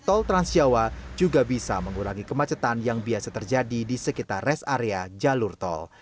tol transjawa juga bisa mengurangi kemacetan yang biasa terjadi di sekitar res area jalur tol